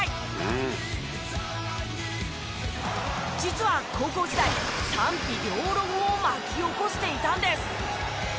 実は高校時代賛否両論を巻き起こしていたんです。